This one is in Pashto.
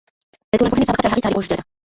د ټولنپوهنې سابقه تر هغې تاريخ اوږده ده.